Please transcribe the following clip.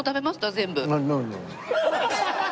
全部。